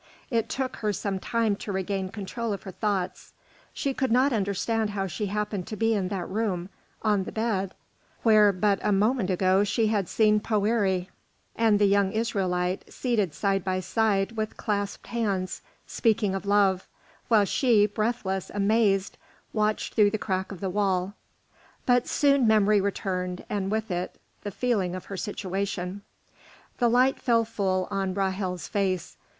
It took her some time to regain control of her thoughts. She could not understand how she happened to be in that room, on the bed, where but a moment ago she had seen Poëri and the young Israelite seated side by side with clasped hands, speaking of love, while she, breathless, amazed, watched through the crack of the wall; but soon memory returned, and with it the feeling of her situation. The light fell full on Ra'hel's face.